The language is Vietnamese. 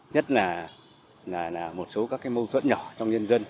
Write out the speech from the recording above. nhất là một số các mâu thuẫn nhỏ trong nhân dân